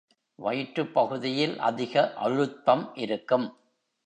வயிற்றுப் பகுதியில் அதிக அழுத்தம் இருக்கும்.